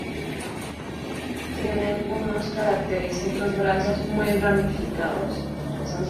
Tienen unos característicos brazos muy ramificados.